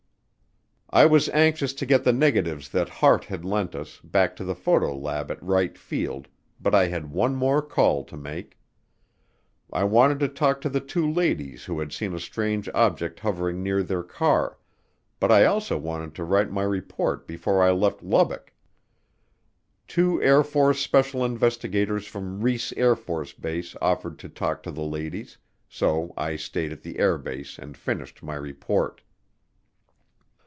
I was anxious to get the negatives that Hart had lent us back to the photo lab at Wright Field, but I had one more call to make. I wanted to talk to the two ladies who had seen a strange object hovering near their car, but I also wanted to write my report before I left Lubbock. Two Air Force special investigators from Reese AFB offered to talk to the ladies, so I stayed at the air base and finished my report.